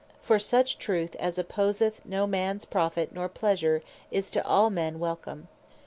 For such Truth, as opposeth no man profit, nor pleasure, is to all men welcome.